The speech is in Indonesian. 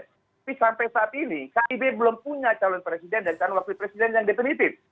tapi sampai saat ini kib belum punya calon presiden dan calon wakil presiden yang definitif